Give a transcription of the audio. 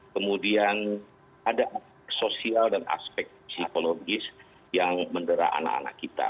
kemudian ada aspek sosial dan aspek psikologis yang mendera anak anak kita